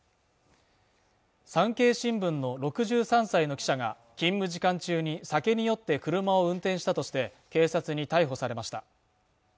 「産経新聞」の６３歳の記者が勤務時間中に酒に酔って車を運転したとして警察に逮捕されました